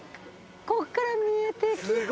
こっから見えてきて。